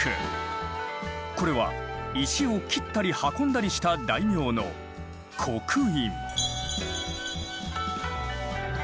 これは石を切ったり運んだりした大名の「刻印」。